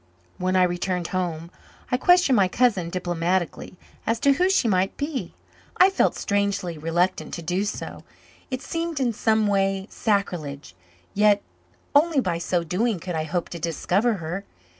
When I returned home I questioned my cousins diplomatically as to who she might be. I felt strangely reluctant to do so it seemed in some way sacrilege; yet only by so doing could I hope to discover her.